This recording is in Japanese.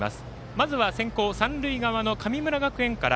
まずは先攻三塁側の神村学園から。